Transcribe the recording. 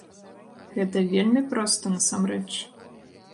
Гэта вельмі проста насамрэч.